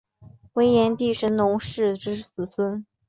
为炎帝神农氏之子孙。